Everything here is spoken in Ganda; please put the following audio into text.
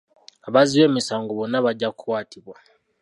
Abazzi b'emisango bonna bajja kukwatibwa.